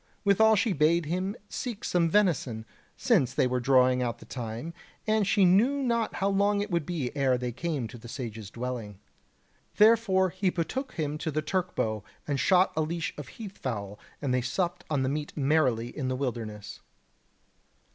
Withal she bade him seek some venison, since they were drawing out the time, and she knew not how long it would be ere they came to the Sage's dwelling. Therefore he betook him to the Turk bow, and shot a leash of heath fowl, and they supped on the meat merrily in the wilderness.